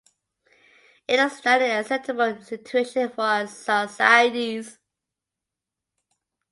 It is not an acceptable situation for our societies"".